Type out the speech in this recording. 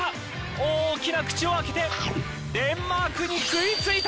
大きな口を開けてデンマークに食いついた。